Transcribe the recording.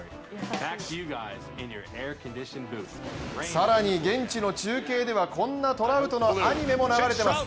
更に現地の中継ではこんなトラウトのアニメも流れてます。